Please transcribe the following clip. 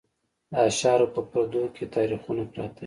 د اشعارو په پردو کې یې تاریخونه پراته وي.